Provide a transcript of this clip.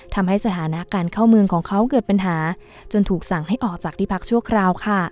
ทำให้สถานะการเข้าเมืองของเขาเกิดปัญหาจนถูกสั่งให้ออกจากที่พักชั่วคราวค่ะ